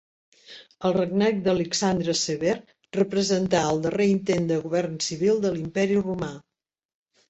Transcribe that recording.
El regnat d'Alexandre Sever representà el darrer intent de govern civil de l'imperi Romà.